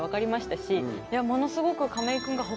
ものすごく。